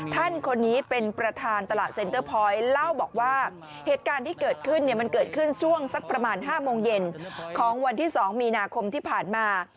ท่านคนนี้เป็นประธานตลาดเซ็นเตอร์พอยต์เล่าบอกว่าเหตุการณ์ที่เกิดขึ้นเนี่ยมันเกิดขึ้นช่วงสักประมาณ๕โมงเย็นของวันที่๒มีนาคมที่ผ่านมา